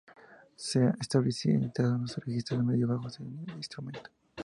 Se ha especializado en los registros medio-bajos del instrumento.